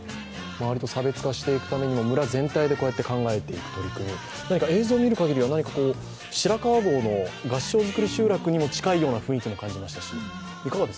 周りと差別化していくためにも村全体で考えていく取り組み、映像を見るかぎりは、白川郷の合掌造り集落にも近い感じがしました。